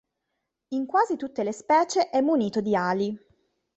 In quasi tutte le specie è munito di ali.